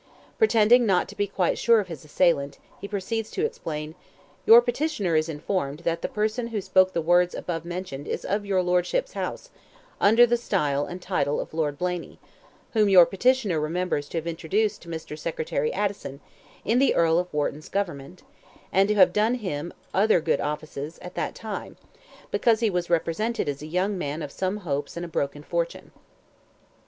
Pretending not to be quite sure of his assailant, he proceeds to explain: "Your petitioner is informed that the person who spoke the words above mentioned is of your Lordships' House, under the style and title of Lord Blaney; whom your petitioner remembers to have introduced to Mr. Secretary Addison, in the Earl of Wharton's government, and to have done him other good offices at that time, because he was represented as a young man of some hopes and a broken fortune."